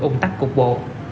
ông tắt cục bộ